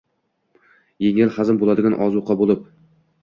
«yengil hazm bo‘ladigan ozuqa» bo‘lib